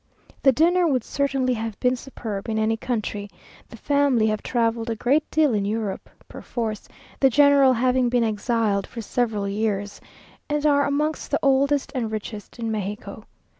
The dinner would certainly have been superb in any country; the family have travelled a great deal in Europe, (per force, the general having been exiled for several years,) and are amongst the oldest and richest in Mexico.